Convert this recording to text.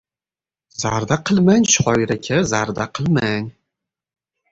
— Zarda qilmang, shoir aka, zarda qilmang.